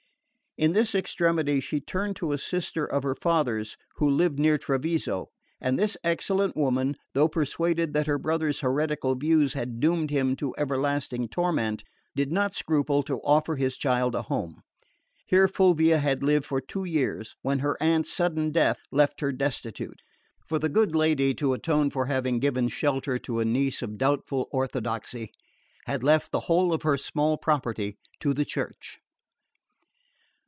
In this extremity she turned to a sister of her father's, who lived near Treviso; and this excellent woman, though persuaded that her brother's heretical views had doomed him to everlasting torment, did not scruple to offer his child a home. Here Fulvia had lived for two years when her aunt's sudden death left her destitute; for the good lady, to atone for having given shelter to a niece of doubtful orthodoxy, had left the whole of her small property to the Church.